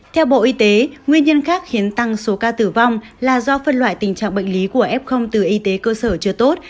theo bộ y tế nguyên nhân khác khiến tăng số ca tử vong là do phân loại tình trạng bệnh lý của f từ y tế cơ sở chưa tốt